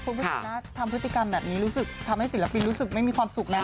คุณผู้ชมนะทำพฤติกรรมแบบนี้รู้สึกทำให้ศิลปินรู้สึกไม่มีความสุขนะ